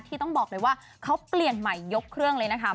ต้องบอกเลยว่าเขาเปลี่ยนใหม่ยกเครื่องเลยนะคะ